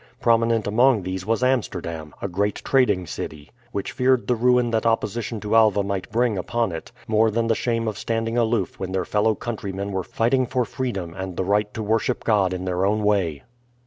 Prominent among these was Amsterdam, a great trading city, which feared the ruin that opposition to Alva might bring upon it, more than the shame of standing aloof when their fellow countrymen were fighting for freedom and the right to worship God in their own way.